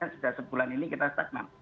sudah sebulan ini kita stagnan